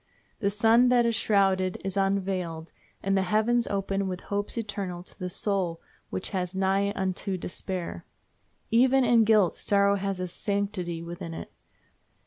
The sun that is shrouded is unveiled, and the heavens open with hopes eternal to the soul which was nigh unto despair. Even in guilt sorrow has a sanctity within it.